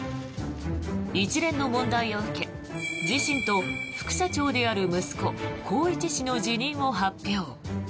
一連の問題を受け自身と副社長である息子・宏一氏の辞任を発表。